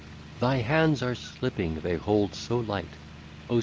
" Thy hands are slipping, they hold so light, Oh